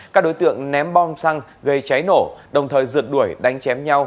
các đối tượng ném bom xăng gây cháy nổ đồng thời rượt đuổi đánh chém nhau